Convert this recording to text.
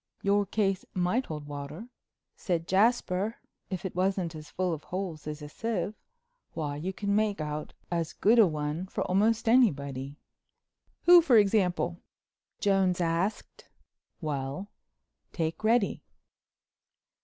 "Your case might hold water," said Jasper, "if it wasn't as full of holes as a sieve. Why, you can make out as good a one for almost anybody." "Who, for example?" Jones asked. "Well—take Reddy."